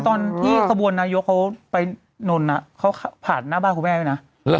ตอนที่ขบวนนายกเขาไปนนเขาผ่านหน้าบ้านคุณแม่ไว้นะ